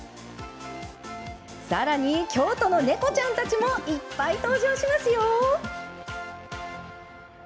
さらに京都の猫ちゃんたちもいっぱい登場します。